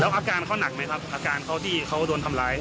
อาการเขาหนักไหมครับอาการเขาที่เขาโดนทำร้าย